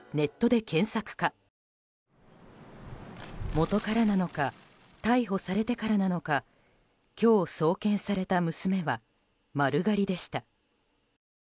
元からなのか逮捕されてからなのか今日、送検された娘は丸刈りでした。